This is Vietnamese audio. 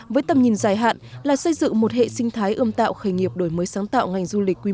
với tầm nhìn dài hạn là xây dựng một hệ sinh thái ươm tạo khởi nghiệp đổi mới sáng tạo ngành du lịch